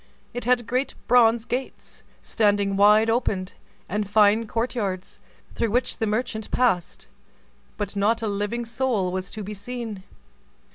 It had great bronze gates, standing wide open, and fine court yards, through which the merchant passed; but not a living soul was to be seen.